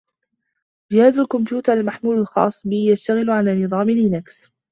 جهاز الكمبيوتر المحمول الخاص بي يشتغل على نظام لينكس.